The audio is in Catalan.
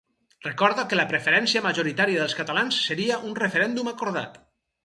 Recorda que la preferència majoritària dels catalans seria un referèndum acordat.